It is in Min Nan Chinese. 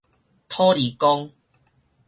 土地公